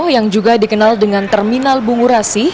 yang juga dikenal dengan terminal bungu rasih